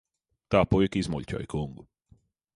Tā puika izmuļķoja kungu.